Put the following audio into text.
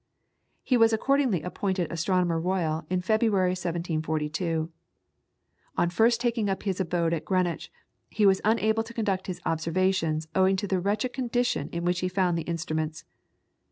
He was accordingly appointed Astronomer Royal in February, 1742. On first taking up his abode at Greenwich he was unable to conduct his observations owing to the wretched condition in which he found the instruments.